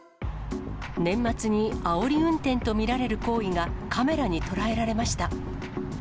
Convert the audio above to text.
年末にあおり運転と見られる行為がカメラに捉えられました。